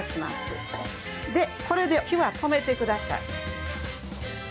で、これで火は止めてください。